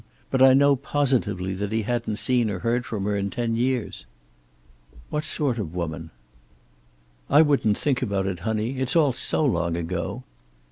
But I know positively that he hadn't seen or heard from her in ten years." "What sort of woman?" "I wouldn't think about it, honey. It's all so long ago."